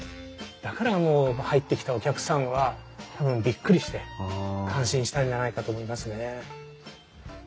だから入ってきたお客さんは多分びっくりして感心したんじゃないかと思いますね。